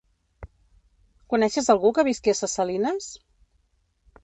Coneixes algú que visqui a Ses Salines?